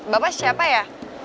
bapak siapa ya